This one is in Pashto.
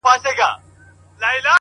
پر کلیو، پر ښارونو یې ځالۍ دي غوړولي!.